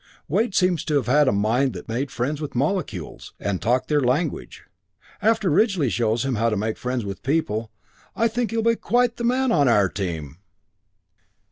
"Wade seems to have had a mind that made friends with molecules, and talked their language. After Ridgely shows him how to make friends with people I think he'll be quite a man on our team!"